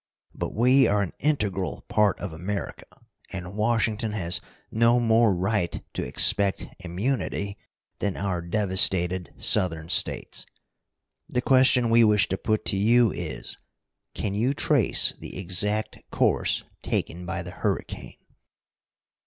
But we are an integral part of America, and Washington has no more right to expect immunity than our devastated Southern States. The question we wish to put to you is, can you trace the exact course taken by the hurricane?"